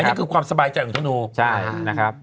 อันนี้คือความสบายใจของธนูใช่นะครับ